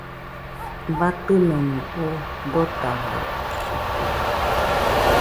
Batɨnomo oo dotajaitɨkue.